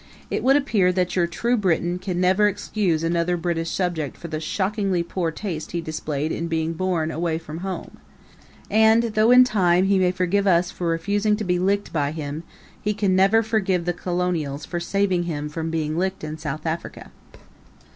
It would appear that your true Briton can never excuse another British subject for the shockingly poor taste he displayed in being born away from home. And, though in time he may forgive us for refusing to be licked by him, he can never forgive the Colonials for saving him from being licked in South Africa.